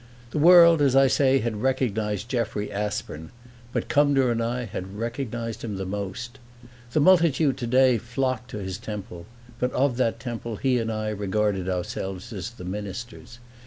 The world, as I say, had recognized Jeffrey Aspern, but Cumnor and I had recognized him most. The multitude, today, flocked to his temple, but of that temple he and I regarded ourselves as the ministers.